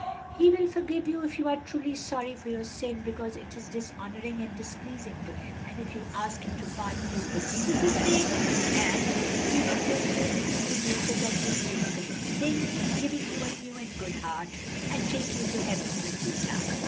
"He will forgive you if you are truly sorry for your sin because it is dishonoring and displeasing to Him, and if you ask Him to pardon you for Jesus' sake; and He will take away the evil nature that leads you to commit sin, giving you a new and good heart, and take you to heaven when you die.